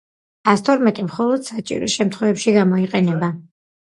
ასთორმეტი მხოლოდ საჭირო შემთხვევებში გამოიყენება